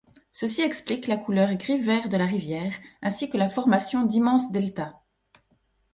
Ceci explique la couleur gris-vert de la rivière ainsi que la formation d'immenses deltas.